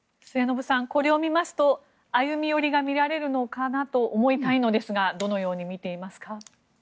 末延さん、これを見ますと歩み寄りが見られるのかなと思いたいのですがどのように見ていますか。